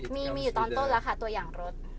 มีอยู่ตอนต้นแล้วค่ะตัวอย่างรถ